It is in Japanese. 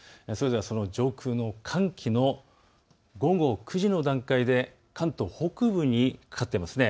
上空の寒気、午後９時の段階で関東北部にかかっていますね。